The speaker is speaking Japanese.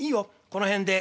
この辺で。